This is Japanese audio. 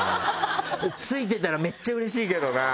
付いてたらめっちゃうれしいけどな。